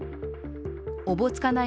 おぼつかない